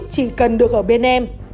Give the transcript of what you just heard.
chỉ cần được ở bên em